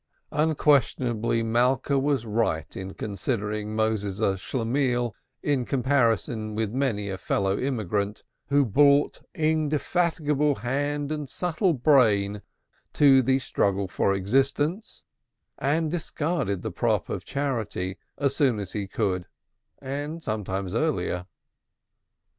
Unquestionably Malka was right in considering Moses a Schlemihl in comparison with many a fellow immigrant, who brought indefatigable hand and subtle brain to the struggle for existence, and discarded the prop of charity as soon as he could, and sometimes earlier.